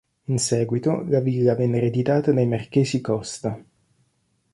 In seguito la villa venne ereditata dai marchesi Costa.